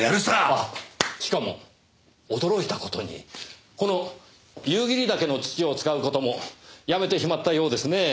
あっしかも驚いた事にこの夕霧岳の土を使う事もやめてしまったようですねぇ。